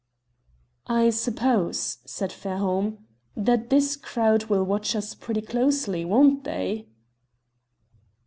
"I suppose," said Fairholme, "that this crowd will watch us pretty closely, won't they?"